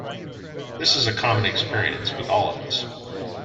This is a common experience with all of us.